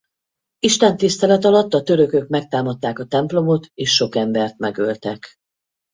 Istentisztelet alatt a törökök megtámadták a templomot és sok embert megöltek.